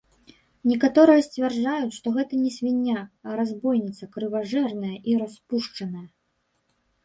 Некаторыя сцвярджаюць, што гэта не свіння, а разбойніца, крыважэрная і распушчаная.